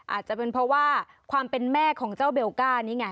อาจจะเป็นเพราะว่าความเป็นแม่ของเจ้าเบลก้านี่ไง